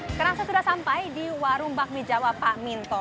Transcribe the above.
sekarang saya sudah sampai di warung bakmi jawa pak minto